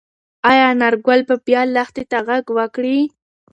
ايا انارګل به بیا لښتې ته غږ وکړي؟